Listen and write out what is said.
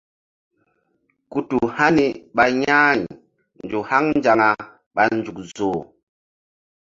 Ku tu hani ɓa ƴa̧h ri nzuk haŋ nzaŋa ɓa nzuk zoh.